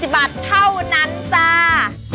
๑๐บาทเท่านั้นจ้า